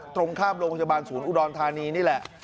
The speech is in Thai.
ตรงข้ามโรงพยาบาลศูนย์อุดรธานีนี่แหละ